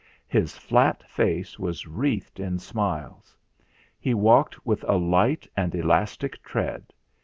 His flat face was wreathed in smiles. He walked with a light and elastic tread.